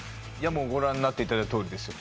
ご覧になっていただいたとおりですよ。